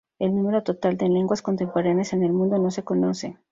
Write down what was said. El número total de lenguas contemporáneas en el mundo no se conoce.